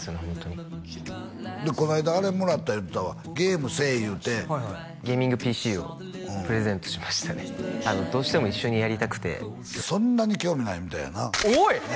ホントにでこないだあれもらった言うてたわゲームせえいうてゲーミングＰＣをプレゼントしましたねどうしても一緒にやりたくてそんなに興味ないみたいやなおい！